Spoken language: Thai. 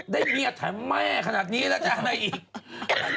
ได้เมียถามแม่ขนาดนี้แล้วจะอะไรอีก